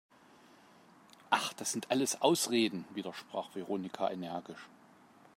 Ach, das sind alles Ausreden!, widersprach Veronika energisch.